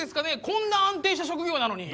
こんな安定した職業なのに。